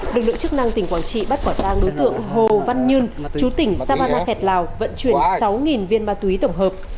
lực lượng chức năng tỉnh quảng trị bắt quả trang đối tượng hồ văn nhân chú tỉnh sabana khẹt lào vận chuyển sáu viên ma túy tổng hợp